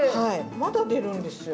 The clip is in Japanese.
まだ出るんですよ